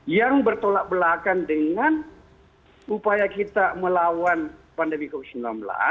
yang bertolak belakang dengan upaya kita melawan pandemi covid sembilan belas